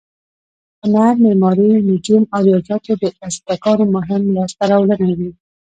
هنر، معماري، نجوم او ریاضیاتو د ازتکانو مهمې لاسته راوړنې وې.